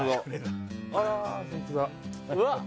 うわっ。